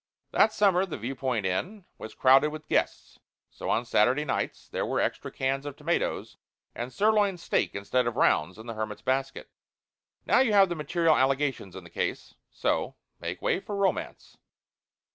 That summer the Viewpoint Inn was crowded with guests. So, on Saturday nights, there were extra cans of tomatoes, and sirloin steak, instead of "rounds," in the hermit's basket. Now you have the material allegations in the case. So, make way for Romance.